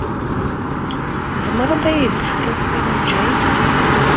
Tzemreḍ ad iyi-d-tefkeḍ taɣenjayt?